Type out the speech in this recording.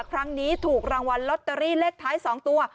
ครั้งนี้ถูกรางวัลลอตเตอรี่เลขท้าย๒ตัว